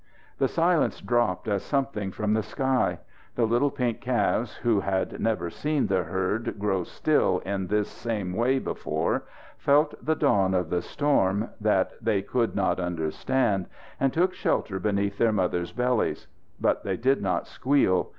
The silence dropped as something from the sky. The little pink calves who had never seen the herd grow still in this same way before, felt the dawn of the storm that they could not understand, and took shelter beneath their mothers' bellies. But they did not squeal.